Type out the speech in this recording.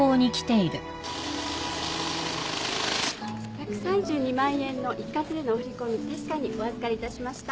１３２万円の一括でのお振り込み確かにお預かりいたしました。